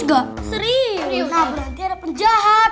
nah berhenti ada penjahat